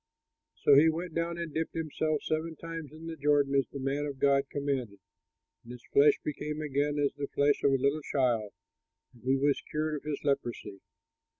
'" So he went down and dipped himself seven times in the Jordan as the man of God commanded; and his flesh became again like the flesh of a little child, and he was cured of his leprosy.